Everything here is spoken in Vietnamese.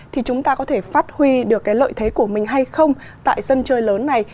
thì chúng ta có thể phát huy được cái lợi thế của mình hay không tại sân chơi lớn này